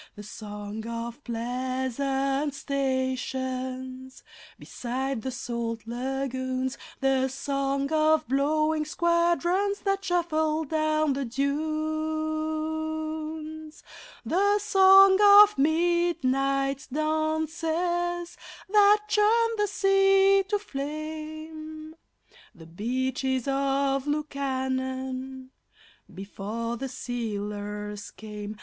The song of pleasant stations beside the salt lagoons, The song of blowing squadrons that shuffled down the dunes, The song of midnight dances that churned the sea to flame The Beaches of Lukannon before the sealers came!